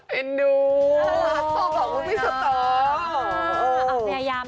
เห็นหนูฮัตเซอร์บอกคุณพี่เซอร์เติร์ม